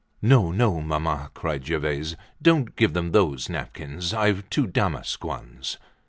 "No, no, mamma," cried Gervaise; "don't give them those napkins! I've two damask ones."